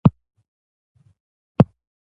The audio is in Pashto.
ایا ستاسو اشپز به ماهر نه وي؟